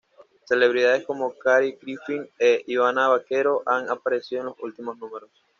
Celebridades como Kathy Griffin e Ivana Baquero han aparecido en los últimos números.